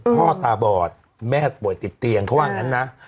ตาบอดแม่ป่วยติดเตียงเขาว่าอย่างนั้นนะ